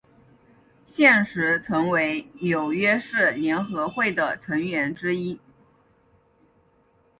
现时陈为纽约市联合会的成员之一。